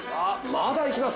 まだいきます。